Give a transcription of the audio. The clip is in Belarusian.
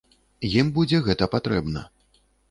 Ім будзе гэта патрэбна.